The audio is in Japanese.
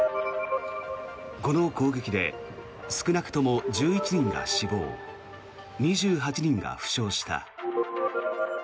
この攻撃で少なくとも１１人が死亡２８人が負傷した。